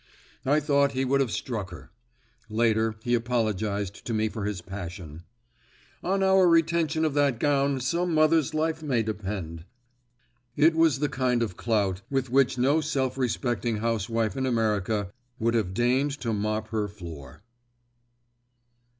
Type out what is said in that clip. I thought he would have struck her. Later he apologised to me for his passion, "On our retention of that gown some mother's life may depend." It was the kind of clout with which no self respecting housewife in America would have deigned to mop her floor.